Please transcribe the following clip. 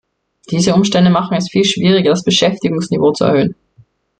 Diese Umstände machen es viel schwieriger, das Beschäftigungsniveau zu erhöhen.